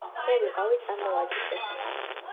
მე ვიყავი ტანმოვარჯიშე